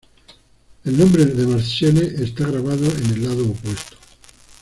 El nombre de Marcelle está grabado en el lado opuesto.